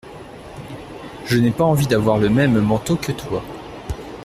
Je n’ai pas envie d’avoir le même manteau que toi.